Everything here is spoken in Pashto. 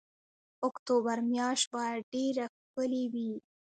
اکتوبر میاشت باید ډېره ښکلې وي.